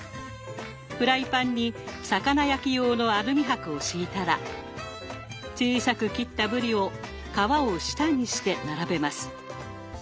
フライパンに魚焼き用のアルミ箔を敷いたら小さく切ったぶりを皮を下にして並べます。